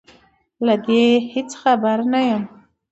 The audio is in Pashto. له دې هېڅ خبره نه یم